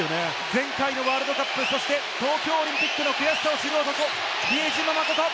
前回のワールドカップ、東京オリンピックの悔しさを知る男、比江島。